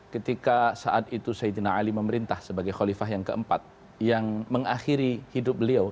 ketika saat itu sayyidina ali memerintah sebagai khalifah yang keempat yang mengakhiri hidup beliau